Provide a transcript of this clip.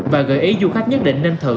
và gợi ý du khách nhất định nên thử